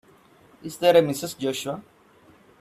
Is there a Mrs. Joshua?